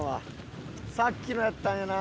さっきのやったんやな。